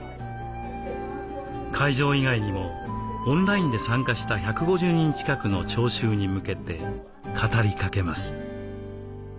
会場以外にもオンラインで参加した１５０人近くの聴衆に向けて語りかけます。